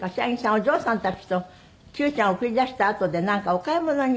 お嬢さんたちと九ちゃんを送り出したあとでなんかお買い物に。